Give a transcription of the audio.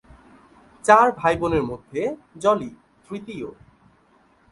চার ভাই-বোনের মধ্য জলি তৃতীয়।